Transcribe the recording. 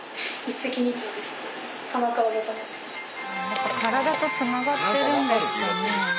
やっぱ体とつながってるんですかね。